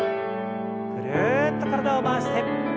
ぐるっと体を回して。